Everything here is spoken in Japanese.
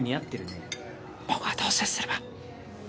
僕はどう接すれば？